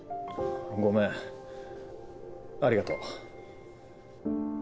ごめんありがとう。